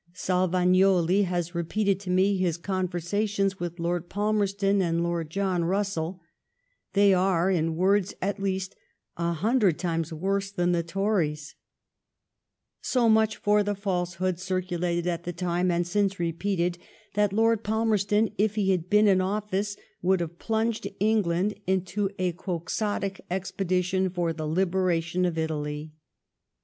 Salyagnoli has repeated to mo bis conversations with Lord Palmerston and Lord John Bnssell. They are, in words at least, a hundred times worse than the Topeg; So much for the falsehood^ circulated at^^time and ^\^ since repeated, that Lord Palmerston, if/lie^iad heen in office^ would have plunged En^at^ into a Quixotic expedition for the liberation otyliuj.